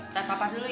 kita papat dulu ya